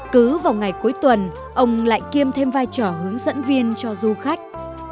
cứ vào ngày cuối tuần ông lại kiêm thêm vai trò hướng dẫn viên cho du khách